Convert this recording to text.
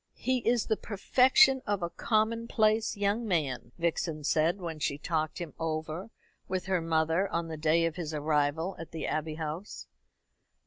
"He is the perfection of a commonplace young man," Vixen said, when she talked him over with her mother on the day of his arrival at the Abbey House.